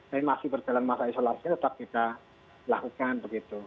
tapi masih berjalan masa isolasi tetap kita lakukan begitu